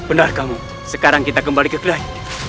benar kamu sekarang kita kembali ke terakhir